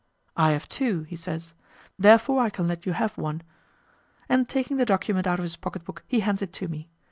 "I have two," he says; "therefore I can let you have one." And taking the document out of his pocket book, he hands it to me.